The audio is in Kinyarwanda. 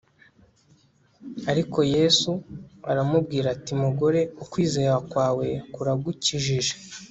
ariko yesu aramubwira ati “mugore ukwizera kwawe kuragukijije